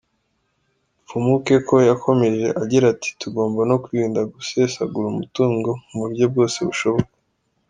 Mfumukeko yakomeje agira ati “Tugomba no kwirinda gusesagura umutungo mu buryo bwose bushoboka.